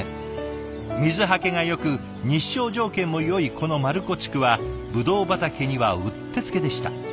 水はけがよく日照条件もよいこの丸子地区はブドウ畑にはうってつけでした。